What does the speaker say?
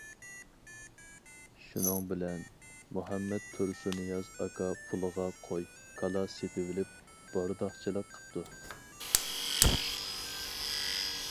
شۇنىڭ بىلەن مۇھەممەد تۇرسۇننىياز ئاكا پۇلىغا قوي، كالا سېتىۋېلىپ بورداقچىلىق قىپتۇ.